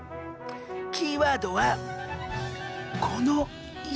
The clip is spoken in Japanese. キーワードはこの「石」。